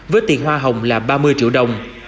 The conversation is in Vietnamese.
với tiền hoa hồng là ba mươi triệu đồng